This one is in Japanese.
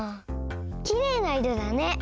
きれいないろだね。